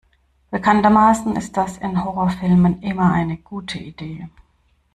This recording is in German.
Bekanntermaßen ist das in Horrorfilmen immer eine gute Idee.